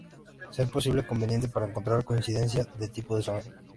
Ser posible o conveniente para encontrar coincidencias de tipo de sangre.